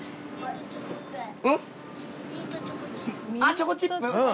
チョコチップ！